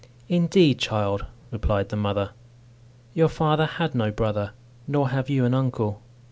"Indeed, child," replied the mother, "your father had no brother, nor have you an uncle."